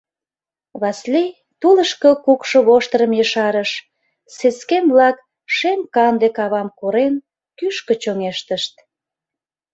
Васлий тулышко кукшо воштырым ешарыш, сескем-влак, шем-канде кавам корен, кӱшкӧ чоҥештышт.